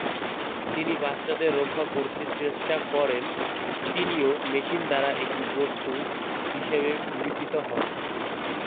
তিনি বাচ্চাদের রক্ষা করতে চেষ্টা করেন, তিনিও মেশিন দ্বারা একটি "বস্তু" হিসাবে স্বীকৃত হন।